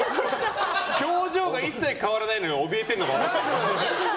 表情が一切変わらないのにおびえてるのが分かった。